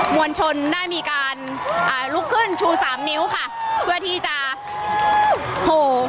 วลชนได้มีการอ่าลุกขึ้นชูสามนิ้วค่ะเพื่อที่จะโผล่